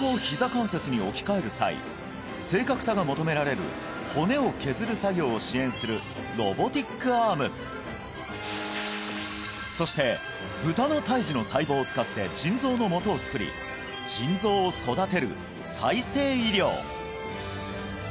関節に置き換える際正確さが求められる骨を削る作業を支援するロボティックアームそして豚の胎児の細胞を使って腎臓のもとを作り腎臓を育てる再生医療